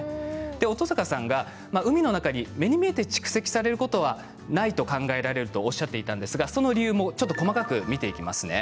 乙坂さんが、海の中に目に見えて蓄積されることはないと考えられるとおっしゃっていましたがその理由も細かく見ていきます。